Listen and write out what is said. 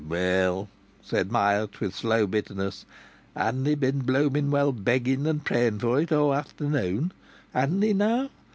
"Well," said Myatt, with slow bitterness. "Hadn't he been blooming well begging and praying for it, aw afternoon? Hadn't he now?"